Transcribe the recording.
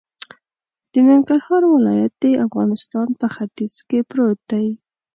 د ننګرهار ولایت د افغانستان په ختیځ کی پروت دی